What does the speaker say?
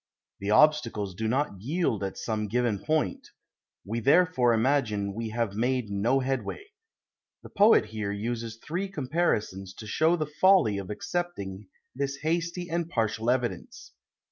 The obstacles do not yield at some given point; we therefore imagine we have made no headway. The poet here uses three comparisons to show the folly of accepting this hasty and partial evidence.